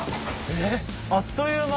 えっあっという間！